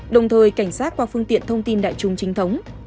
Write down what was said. đồng thời cảnh sát qua phương tiện thông tin đại dịch